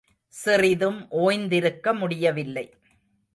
சிறிதும் ஓய்திருக்க முடியவில்லை.